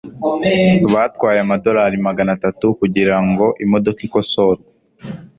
byatwaye amadolari magana atatu kugirango imodoka ikosorwe